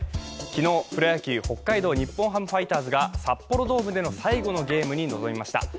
昨日、プロ野球、北海道日本ハムファイターズが札幌ドームでの最後のゲームに臨みました。